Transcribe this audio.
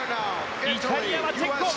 イタリアはチェッコン。